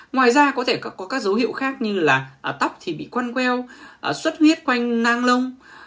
ngoài ra có thể có các dấu hiệu khác như là tóc thì bị quanh queo xuất huyết quanh nang lông